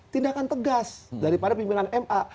tindakan tegas daripada pimpinan m a